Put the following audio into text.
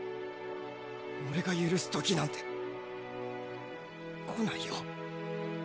俺が許す時なんて来ないよ。